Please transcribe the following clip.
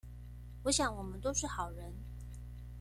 我想我們都是好人